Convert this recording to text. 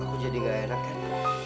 aku jadi gak enak ya